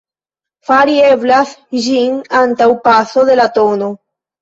Fari eblas ĝin antaŭ paso de la tn.